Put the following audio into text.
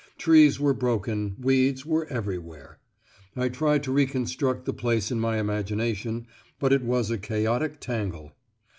Trees were broken, weeds were everywhere. I tried to reconstruct the place in my imagination, but it was a chaotic tangle.